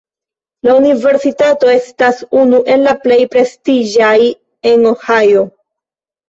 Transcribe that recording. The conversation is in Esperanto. La universitato estas unu el la plej prestiĝaj en Ohio.